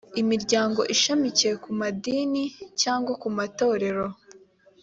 imiryango ishamikiye ku madini cyangwa ku matorero